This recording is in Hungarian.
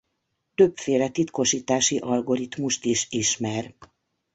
Többféle titkosítási algoritmust is ismer.